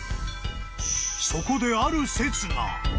［そこである説が］